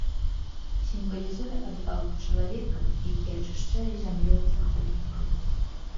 Сімвалізуе адвагу чалавека, які ачышчае зямлю ад захопнікаў.